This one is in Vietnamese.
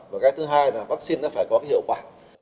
và cái thứ hai là vaccine phải có hiệu quả